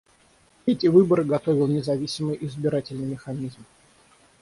Эти выборы готовил независимый избирательный механизм.